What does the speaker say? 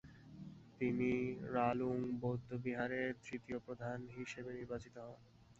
তিনি রালুং বৌদ্ধবিহারের তৃতীয় প্রধান হিসেবে নির্বাচিত হন।